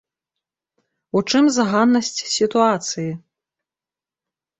У чым заганнасць сітуацыі?